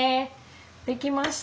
できました。